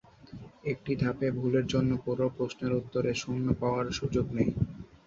একটি ধাপে ভুলের জন্য পুরো প্রশ্নের উত্তরে শূন্য পাওয়ার সুযোগ নেই।